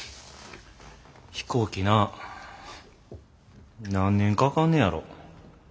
飛行機な何年かかんねやろ。